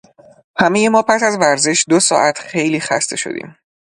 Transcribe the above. همهٔ ما پس از ورزش دو ساعت خیلی خسته شدیم.